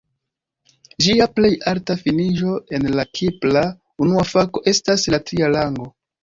Ĝia plej alta finiĝo en la Kipra Unua Fako estas la tria rango.